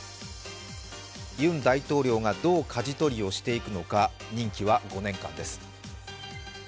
ユン大統領がどうかじ取りをしていくのか、任期は５年間です。